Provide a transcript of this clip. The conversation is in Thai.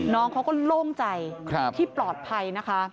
น้องเขาก็โล่งใจที่ปลอดภัยนะคะ